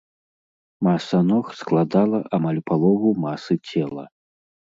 Маса ног складала амаль палову масы цела.